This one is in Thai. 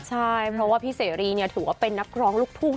ใช่เพราะว่าพี่เสรีถือว่าเป็นนักร้องลูกทุ่ง